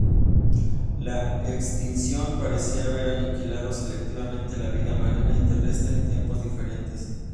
La extinción parecía haber aniquilado selectivamente la vida marina y terrestre en tiempos diferentes.